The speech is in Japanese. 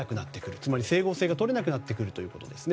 つまり、整合性が取れなくなってくるんですね。